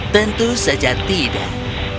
tentu saja tidak